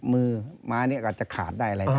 มือม้านี่อาจจะขาดได้อะไร